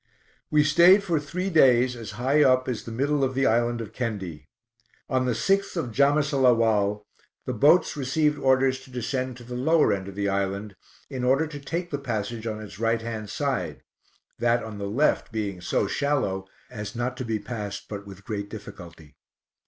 We stayed for three days as high up as the middle of the island of Kendi. On the 6th of Jamisalawal the boats received orders to descend to the lower end of the island, in order to take the passage on its right hand side, that on the left being so shallow as not to be passed but with great difficulty.